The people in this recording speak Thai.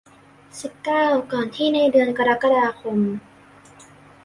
สิบเก้า ก่อนที่ในเดือนกรกฎาคม